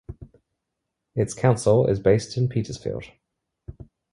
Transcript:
Its council is based in Petersfield.